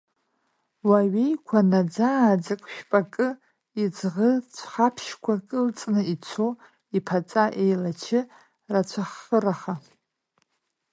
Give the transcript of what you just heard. Уаҩеиқәа, наӡа-ааӡак, шәпакы, иӡӷы цәхаԥшьқәа кылҵны ицо, иԥаҵа еилачы рацәаххыраха…